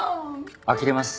あきれます。